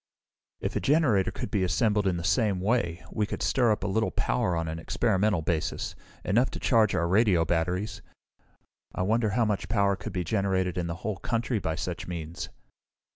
"If a generator could be assembled in the same way, we could stir up a little power on an experimental basis, enough to charge our radio batteries. I wonder how much power could be generated in the whole country by such means?"